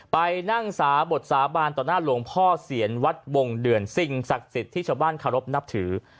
ไปนั่งสาบทสาบานต่อหน้าหลวงพ่อเสียนวัดวงเดือนสิ่งศักดิ์สิทธิ์ที่ชาวบ้านเคารพนับถือ